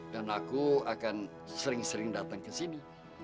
dan aku akan sering sering datang ke sini